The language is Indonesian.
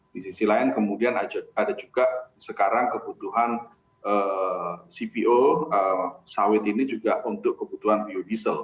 di sisi lain kemudian ada juga sekarang kebutuhan cpo sawit ini juga untuk kebutuhan biodiesel